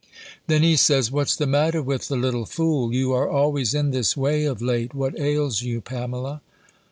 Then he says, "What's the matter with the little fool! You are always in this way of late! What ails you, Pamela?"